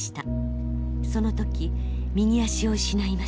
その時右足を失いました。